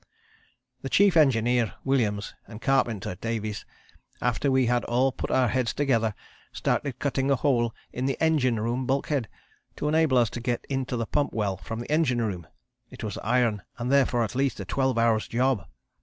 "The Chief Engineer (Williams) and carpenter (Davies), after we had all put our heads together, started cutting a hole in the engine room bulkhead, to enable us to get into the pump well from the engine room; it was iron and, therefore, at least a 12 hours job.